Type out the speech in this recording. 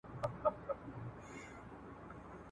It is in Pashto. ټلفون ته یې زنګ راغی د مېرمني ..